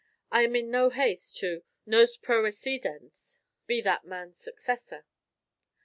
I am in no haste to nos proecedens be that man's successor.